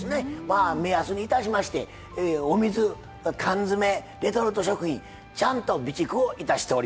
まあ目安にいたしましてお水缶詰レトルト食品ちゃんと備蓄をいたしております。